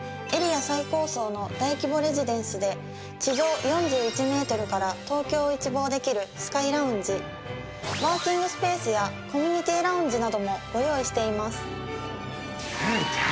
エリア最高層の大規模レジデンスで地上４１メートルから東京を一望できるスカイラウンジワーキングスペースやコミュニティラウンジなどもご用意しています。